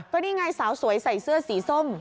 ก็นี่ไงสาวสวยใส่เสื้อสีส้ม